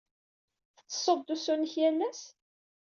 Tettessud-d usu-nnek yal ass?